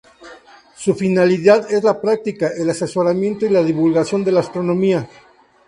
Su finalidad es la práctica, el asesoramiento y la divulgación de la astronomía.